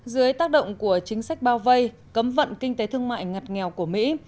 dưới tác động của chính sách bao vây cấm vận kinh tế thương mại ngặt nghèo của mỹ